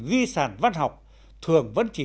di sản văn học thường vẫn chỉ